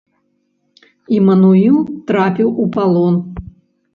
Імануіл трапіў у палон.